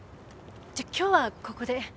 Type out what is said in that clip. じゃあ今日はここで。